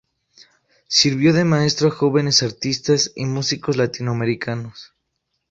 Sirvió de maestro a jóvenes artistas y músicos latinoamericanos.